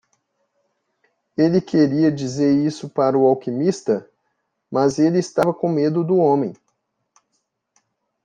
Ele queria dizer isso para o alquimista?, mas ele estava com medo do homem.